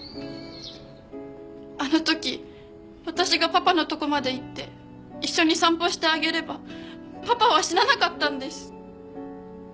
あの時私がパパのとこまで行って一緒に散歩してあげればパパは死ななかったんです！